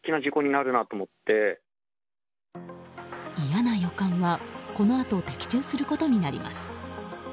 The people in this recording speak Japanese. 嫌な予感はこのあと的中することになります。